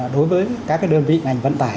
đối với các đơn vị ngành vận tải